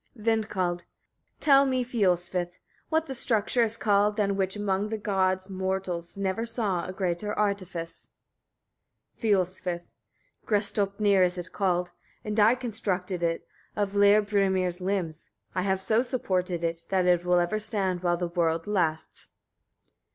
Vindkald. 12. Tell me, Fiolsvith! etc., what that structure is called, than which among the gods mortals never saw a greater artifice? Fiolsvith. 13. Gastropnir it is called, and I constructed it of Leirbrimir's limbs. I have so supported it, that it will ever stand while the world lasts.